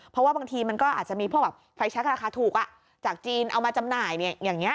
เพราะว่าบางทีมันก็อาจจะมีพวกแบบไฟแชคราคาถูกจากจีนเอามาจำหน่ายเนี่ยอย่างนี้